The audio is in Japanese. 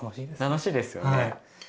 楽しいですよね。